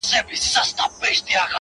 چي لمن د شپې خورېږي ورځ تېرېږي ـ